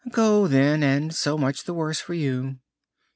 Go, then, and so much the worse for you."